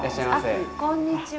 あっこんにちは。